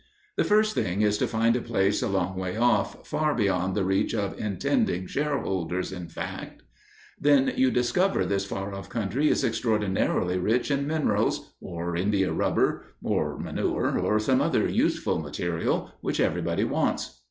The first thing is to find a place a long way off, far beyond the reach of intending shareholders, in fact. Then you discover this far off country is extraordinarily rich in minerals, or india rubber, or manure, or some other useful material which everybody wants.